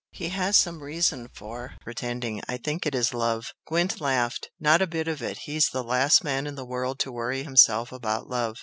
He has some reason for pretending. I think it is love!" Gwent laughed. "Not a bit of it! He's the last man in the world to worry himself about love!"